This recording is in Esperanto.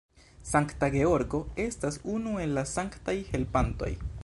Sankta Georgo estas unu el la sanktaj helpantoj.